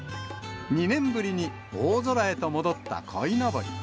２年ぶりに大空へと戻ったこいのぼり。